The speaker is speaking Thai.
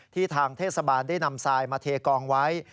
ทางเทศบาลได้นำทรายมาเทกองไว้